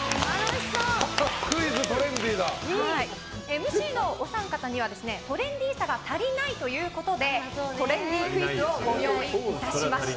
ＭＣのお三方にはトレンディーさが足りないということでトレンディークイズをご用意いたしました。